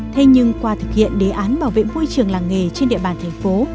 thế nhưng qua thực hiện đề án bảo vệ môi trường làng nghề trên địa bàn thành phố